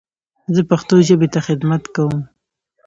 زه پښتو ژبې ته خدمت کوم.